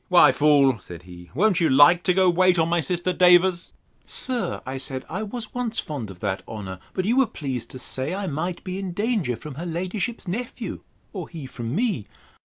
—Why fool, said he, won't you like to go to wait on my sister Davers? Sir, said I, I was once fond of that honour; but you were pleased to say, I might be in danger from her ladyship's nephew, or he from me.